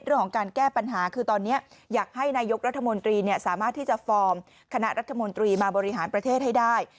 เรื่องของการแก้ปัญหาคือตอนนี้อยากให้นายกรัฐมนตรีสามารถที่จะฟอร์มคณะรัฐมนตรีมาบริหารประเทศให้ได้